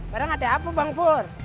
barang ada apa bu